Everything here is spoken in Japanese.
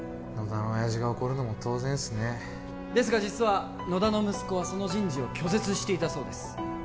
野田の親父が怒るのも当然ですねですが実は野田の息子はその人事を拒絶していたそうです